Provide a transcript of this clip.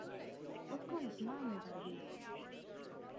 What Kind Of Man Would I Be?